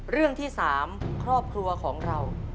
เรื่องที่๓ครอบครัวของเรา